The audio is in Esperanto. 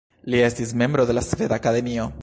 Li estis membro de la Sveda Akademio.